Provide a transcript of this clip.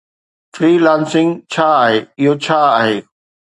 Free lancing ڇا آهي ۽ اهو ڇا آهي؟